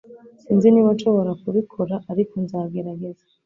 Sinzi niba nshobora kubikora ariko nzagerageza